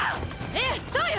⁉ええそうよ！